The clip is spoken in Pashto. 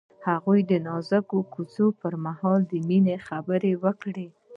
هغه د نازک کوڅه پر مهال د مینې خبرې وکړې.